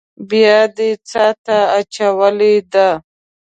بيا دې څاه ته اچولې ده.